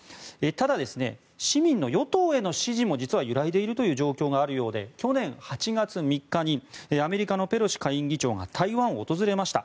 ただ、市民の与党への支持も揺らいでいるという状況があるようで去年８月３日にアメリカのペロシ下院議長が台湾を訪れました。